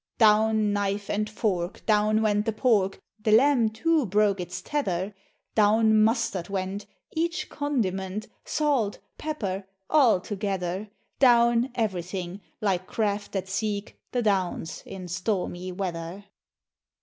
Down knife and fork down went the pork, The lamb too broke its tether; Down mustard went each condiment Salt pepper all together! Down everything, like craft that seek The Downs in stormy weather.